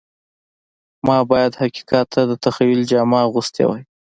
ما باید حقیقت ته د تخیل جامه اغوستې وای